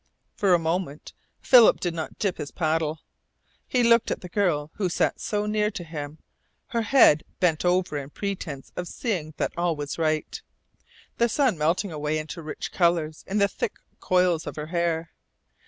For a moment Philip did not dip his paddle. He looked at the girl who sat so near to him, her head bent over in pretence of seeing that all was right, the sun melting away into rich colours in the thick coils of her hair.